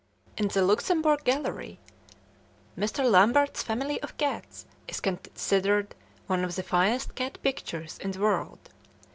In the Luxembourg Gallery, Mr. Lambert's "Family of Cats" is considered one of the finest cat pictures in the world.